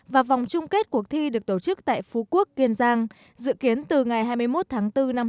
và vòng chung kết cuộc thi được tổ chức tại phú quốc kiên giang trung quốc trung quốc trung quốc